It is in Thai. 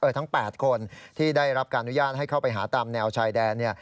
ทั้ง๘คนที่ได้รับการอนุญาตให้เข้าไปหาตามแนวชายแดน